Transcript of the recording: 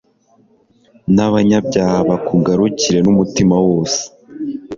n'abanyabyaha bakugarukire n'umutima wose